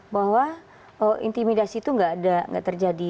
bahwa intimidasi itu nggak terjadi